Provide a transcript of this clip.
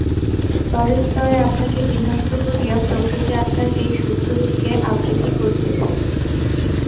স্তরে স্তরে আপনাকে বিন্যস্ত করিয়া প্রকৃতি আত্মার এই শুদ্ধ রূপকে আবৃত করিতেছে।